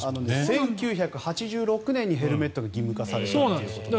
１９８６年にヘルメットが義務化されたということです。